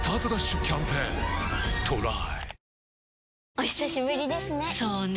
お久しぶりですね。